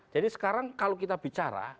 jadi sekarang kalau kita bicara